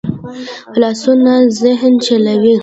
لاسونه ذهن چلوي